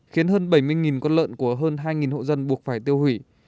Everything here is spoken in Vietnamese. khiến hơn bảy mươi con lợn của hơn hai hộ dân buộc phải tiêu hủy